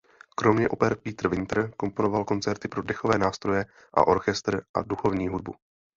Kromě oper Peter Winter komponoval koncerty pro dechové nástroje a orchestr a duchovní hudbu.